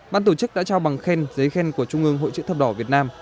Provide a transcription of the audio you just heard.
ban tổ chức đã trao bằng khen giấy khen của trung ương hội chữ thập đỏ việt nam